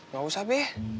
ga usah be